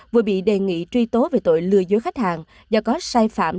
vừa bị đề nghị truy tố về tội lừa dối khách hàng do có sai phạm